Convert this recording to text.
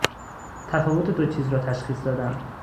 تفاوت دو چیز را تشخیص دادن